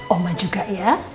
oma juga ya